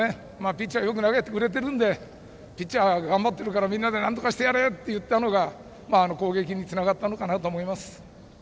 ピッチャーよく投げていたんでピッチャー頑張ってるからみんなでなんとかしてやれと言ったのが、攻撃につながったのかなと思います。